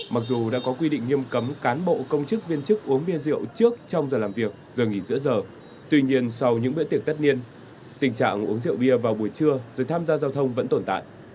mặc dù đã có quy định nghiêm cấm cán bộ công chức viên chức uống bia rượu trước trong giờ làm việc giờ nghỉ giữa giờ tuy nhiên sau những bữa tiệc tất niên tình trạng uống rượu bia vào buổi trưa rồi tham gia giao thông vẫn tồn tại